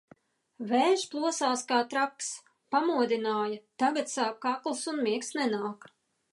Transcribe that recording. Vējš plosās ka traks, pamodināja, tagad sāp kakls un miegs nenāk.